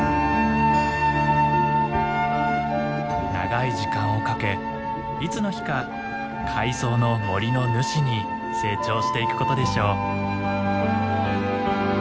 長い時間をかけいつの日か海藻の森の主に成長していくことでしょう。